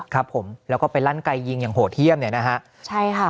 ครับผมแล้วก็ไปลั่นไกยิงอย่างโหดเยี่ยมเนี่ยนะฮะใช่ค่ะ